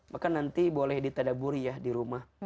maka nanti boleh ditadaburi ya di rumah